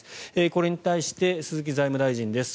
これに対して鈴木財務大臣です。